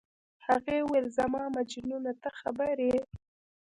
هغې وویل: زما مجنونه، ته خبر یې؟